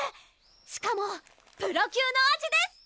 しかもプロ級の味です！